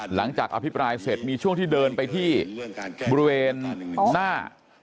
อภิปรายเสร็จมีช่วงที่เดินไปที่บริเวณหน้า